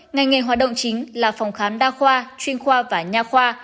ngành nghề hoạt động chính là phòng khám đa khoa chuyên khoa và nhà khoa